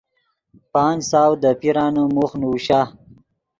پانچ سو دے پیرانے موخ نوشا۔